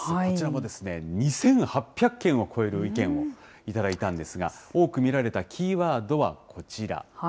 こちらも２８００件を超える意見を頂いたんですが、多く見られたキーワードはこちら。